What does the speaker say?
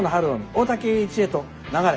大滝詠一へと流れ」。